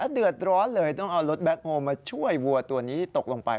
เดือดร้อนเลยต้องเอารถแบ็คโฮลมาช่วยวัวตัวนี้ตกลงไป